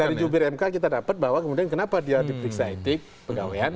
dari jubir mk kita dapat bahwa kemudian kenapa dia diperiksa etik pegawaian